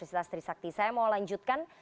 saya mau lanjutkan